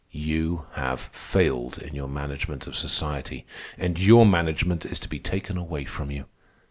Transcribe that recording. You have failed in your management of society, and your management is to be taken away from you.